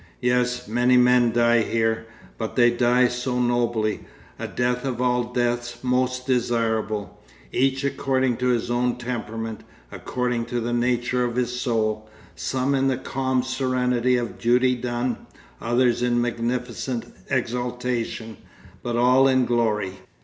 Yes, many men die here, but they die so nobly, a death of all deaths most desirable each according to his own temperament, according to the nature of his soul: some in the calm serenity of duty done, others in magnificent exaltation, but all in glory.